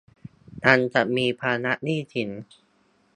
ยังจะมีภาระหนี้สิน